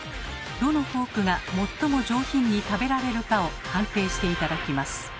どのフォークが最も上品に食べられるかを判定して頂きます。